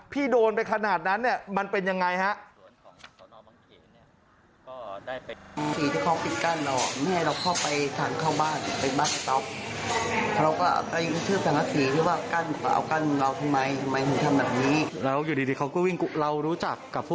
โดนไปขนาดนั้นเนี่ยมันเป็นยังไงฮะ